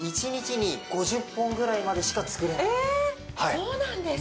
そうなんですか。